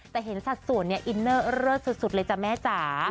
แต่เห็นสัดส่วนเนี่ยอินเนอร์เลิศสุดเลยจ้ะแม่จ๋า